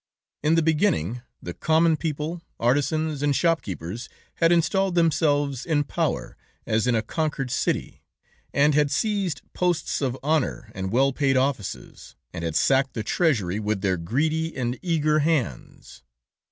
In the beginning, the common people, artisans and shop keepers had installed themselves in power, as in a conquered city, and had seized posts of honor and well paid offices, and had sacked the Treasury with their greedy and eager hands.